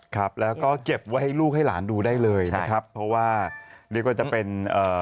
ครับแล้วก็เก็บไว้ให้ลูกให้หลานดูได้เลยนะครับเพราะว่าเรียกว่าจะเป็นเอ่อ